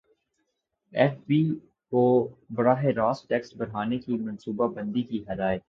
F B کو براہ راست ٹیکس بڑھانے کی منصوبہ بندی کی ہدایت